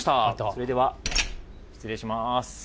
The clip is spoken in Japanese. それでは、失礼します。